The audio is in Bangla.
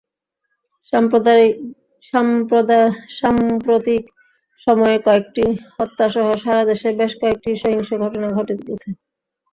সাম্প্রতিক সময়ে কয়েকটি হত্যাসহ সারা দেশে বেশ কয়েকটি সহিংস ঘটনা ঘটে গেছে।